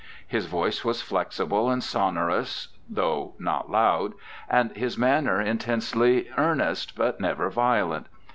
His voice was flexible and sono rous, though not loud, and his manner intensely earnest, but never violent.